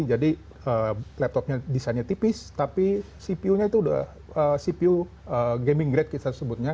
jadi laptopnya desainnya tipis tapi cpu gaming grade kita sebutnya